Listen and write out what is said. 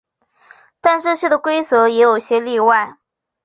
但这样的规则也有些例外。